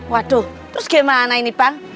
waduh terus gimana ini pan